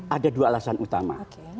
ada dua alasan utama